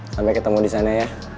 sampai ketemu disana ya